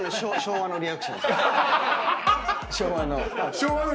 昭和の。